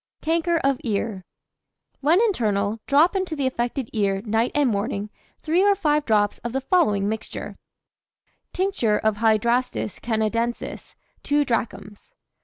CANKER OF EAR. When internal, drop into the affected ear, night and morning, 3 or 5 drops of the following mixture: Tincture of Hydrastis Canadensis 2 drachms.